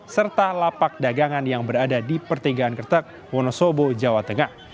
serta lapak dagangan yang berada di pertigaan kertek wonosobo jawa tengah